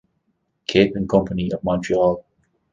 Cape and Company of Montreal.